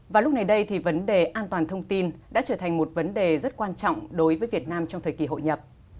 và lúc này đây thì vấn đề an toàn thông tin đã trở thành một vấn đề rất quan trọng đối với việt nam trong thời kỳ hội nhập